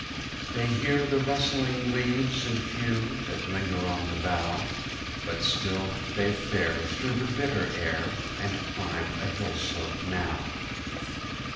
They hear the rustling leaves and few, That linger on the bough; But still they fare through the bitter air, And climb a hill slope now.